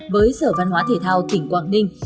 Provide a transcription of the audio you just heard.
với sở văn hóa thể thao tỉnh quảng đinh